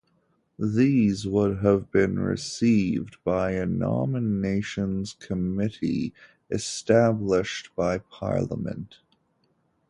These would have been received by a nominations committee established by Parliament.